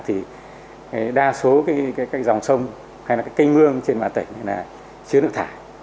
thì đa số cái dòng sông hay là cái cây ngương trên mặt tỉnh này là chứa nước thải